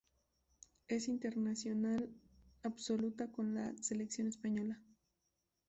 Es internacional absoluta con la Selección española.